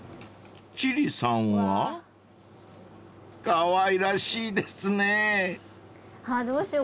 ［千里さんはかわいらしいですね］